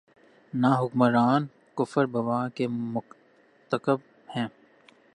نہ حکمران کفر بواح کے مرتکب ہیں۔